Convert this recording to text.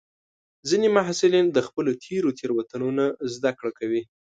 ځینې محصلین د خپلو تېرو تېروتنو نه زده کړه کوي.